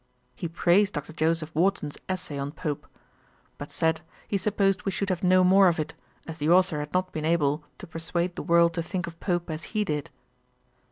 He praised Dr. Joseph Warton's Essay on Pope; but said, he supposed we should have no more of it, as the authour had not been able to persuade the world to think of Pope as he did.